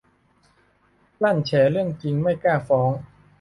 ลั่นแฉเรื่องจริงไม่กล้าฟ้อง